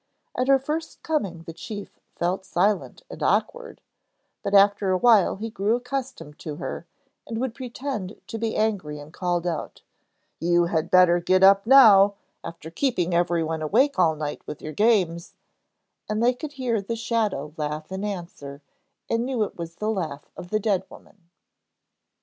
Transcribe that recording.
At her first coming the chief felt silent and awkward, but after a while he grew accustomed to her and would pretend to be angry and called out: 'You had better get up now, after keeping everyone awake all night with your games,' and they could hear the shadow laugh in answer, and knew it was the laugh of the dead woman.